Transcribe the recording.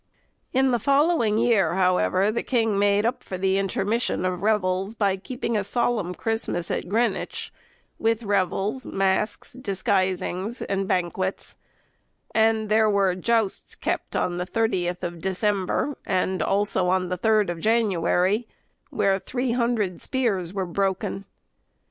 In the following year, however, the king made up for this intermission of revels, by keeping a solemn Christmas at Greenwich, with revels, masks, disguisings, and banquets; and there were justs kept on the 30th of December, and also on the 3d of January, where 300 spears were broken.